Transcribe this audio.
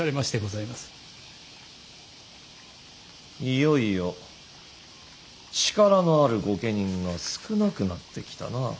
いよいよ力のある御家人が少なくなってきたな。